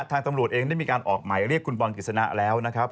ทางตำรวจเองได้มีการออกหมายเรียกคุณบอลกฤษณะแล้วนะครับ